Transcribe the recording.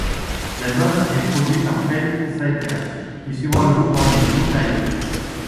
L'album est produit par Pelle Saether, qui suivra le groupe pendant une longue période.